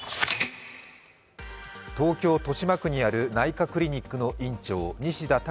東京・豊島区にある内科クリニックの院長、西田隆